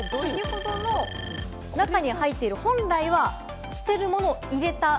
中に入っている本来は捨てるものを入れた。